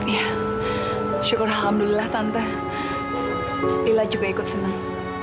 ya syukur alhamdulillah tante ila juga ikut senang